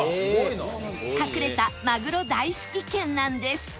隠れたマグロ大好き県なんです